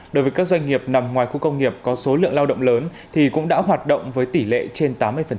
đối với các doanh nghiệp nằm ngoài khu công nghiệp có số lượng lao động lớn thì cũng đã hoạt động với tỷ lệ trên tám mươi